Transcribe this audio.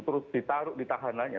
terus ditaruh di tahanannya